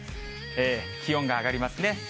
気温が上がりますね。